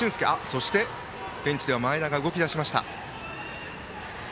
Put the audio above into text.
そして、大阪桐蔭ベンチでは前田が動き出しました。